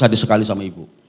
sadis sekali sama ibu